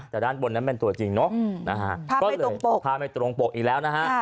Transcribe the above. แต่ด้านบนนั้นเป็นตัวจริงเนอะภาพไม่ตรงปกอีกแล้วนะฮะ